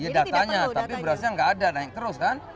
datanya tapi berasnya nggak ada naik terus kan